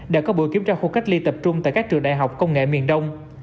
đã có buổi kiểm tra khu cách ly tập trung tại các trường đại học công nghệ miền đông